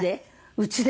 うちで。